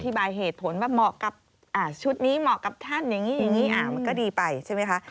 อธิบายเหตุผลว่าชุดนี้เหมาะกับท่านอย่างนี้มันก็ดีไปใช่ไหมคะ